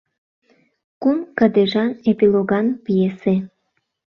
Кум кыдежан, эпилоган пьесе